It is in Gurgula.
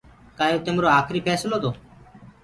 ڪآ يو تمرو آکري ڦيسلو تو۔